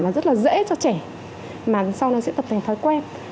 và rất là dễ cho trẻ mà sau đó sẽ tập thành thói quen